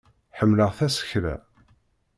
Ḥemmleɣ tasekla.